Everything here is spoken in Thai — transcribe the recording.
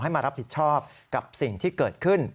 มารับผิดชอบกับสิ่งที่เกิดขึ้น